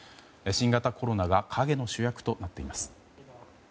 新型コロナが陰の主役となっています。